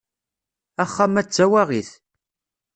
Axxam-a d tawaɣit.